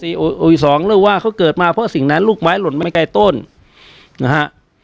อีกสองเรื่องว่าเขาเกิดมาเพราะสิ่งนั้นลูกไม้หล่นไม่ไกลต้นนะฮะ